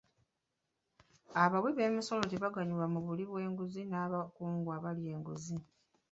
Abawi b'emisolo tebaganyula mu buli bw'enguzi n'abakungu abalya enguzi.